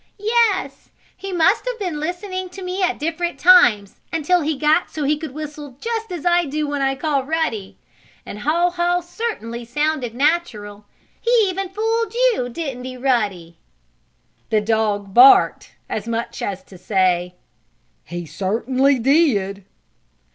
"Yes. He must have been listening to me at different times, until he got so he could whistle just as I do when I call Ruddy. And Haw Haw certainly sounded natural. He fooled even you; didn't he, Ruddy?" The dog barked as much as to say: "He certainly did!"